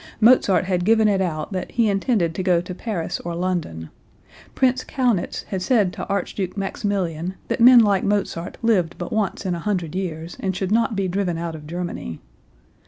Mozart had given it out that he intended to go to Paris or London. Prince Kaunitz had said to Archduke Maximilian that men like Mozart lived but once in a hundred years, and should not be driven out of Germany.